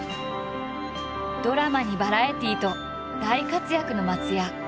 ドラマにバラエティーと大活躍の松也。